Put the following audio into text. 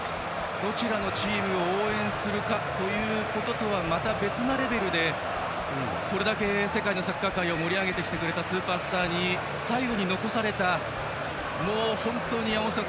どちらのチームを応援するかということとはまた別のレベルでこれだけ世界のサッカー界を盛り上げてきてくれたスーパースターに山本さん